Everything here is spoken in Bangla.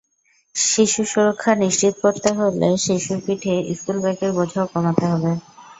শিশু সুরক্ষা নিশ্চিত করতে হলে শিশুর পিঠে স্কুল ব্যাগের বোঝাও কমাতে হবে।